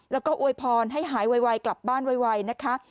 แล้วก็อวยพรให้หายไวกลับบ้านไวนะคะ